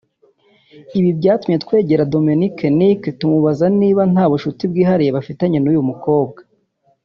Ibi byatumye Twegera Dominic Nick tumubaza niba nta bucuti bwihariye yaba afitanye n’uyu mukobwa